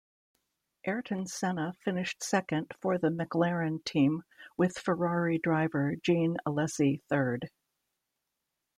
Ayrton Senna finished second for the McLaren team with Ferrari driver Jean Alesi third.